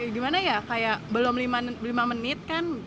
gimana ya kayak belum lima menit kan